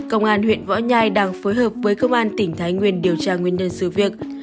công an huyện võ nhai đang phối hợp với công an tỉnh thái nguyên điều tra nguyên nhân sự việc